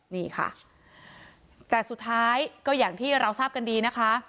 นี่ค่ะแต่สุดท้ายก็อย่างที่เราทราบกันดีนะคะ